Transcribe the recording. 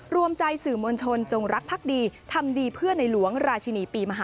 รวมใจสื่อมวลชนจงรักภักดีทำดีเพื่อในหลวงราชินีปีมหา